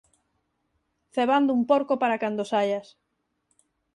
cebando un porco para cando saias.